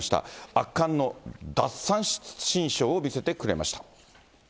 圧巻の奪三振ショーを見せてくれました。